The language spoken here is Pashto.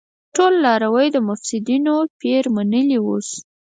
ټولو لاروی د مفسيدينو پير منلی اوس